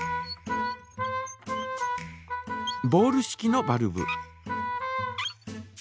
ボール式のバルブ。